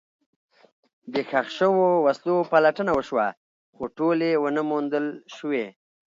د ښخ شوو وسلو پلټنه وشوه، خو ټولې ونه موندل شوې.